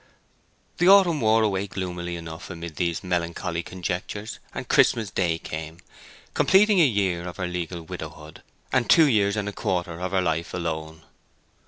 The autumn wore away gloomily enough amid these melancholy conjectures, and Christmas day came, completing a year of her legal widowhood, and two years and a quarter of her life alone.